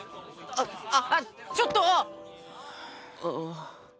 ああっちょっと！